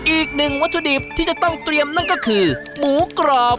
อีกหนึ่งวัตถุดิบที่จะต้องเตรียมนั่นก็คือหมูกรอบ